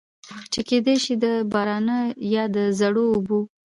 چې کېدے شي د بارانۀ يا د زړو اوبو